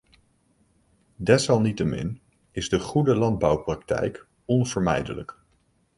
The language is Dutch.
Desalniettemin is de goede landbouwpraktijk onvermijdelijk.